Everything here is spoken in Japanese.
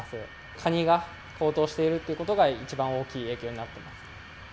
カニが高騰しているということが一番大きい影響になってます。